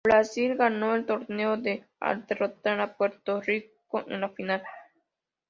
Brasil ganó el torneo al derrotar a Puerto Rico en la final.